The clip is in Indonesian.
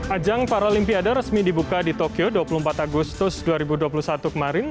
ajang paralimpiade resmi dibuka di tokyo dua puluh empat agustus dua ribu dua puluh satu kemarin